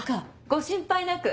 ご心配なく。